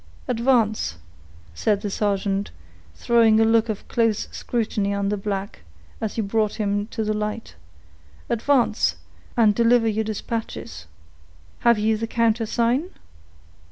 "Advance," said the sergeant, throwing a look of close scrutiny on the black, as he brought him to the light; "advance, and deliver your dispatches. Have you the countersign?"